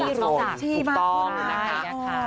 คือคนเป็นที่รู้จักที่มากค่ะถูกต้องนะคะ